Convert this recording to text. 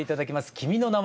「君の名前」。